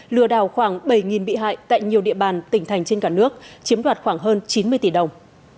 lừa đảo khoảng bảy bị hại tại nhiều địa bàn tỉnh thành trên cả nước chiếm đoạt khoảng hơn chín mươi tỷ đồng